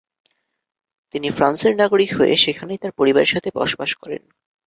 তিনি ফ্রান্সের নাগরিক হয়ে সেখানেই তার পরিবারের সাথে বসবাস করেন।